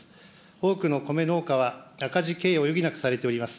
多くの米農家は、赤字経営を余儀なくされております。